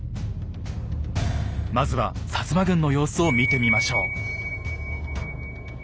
まずは摩軍の様子を見てみましょう。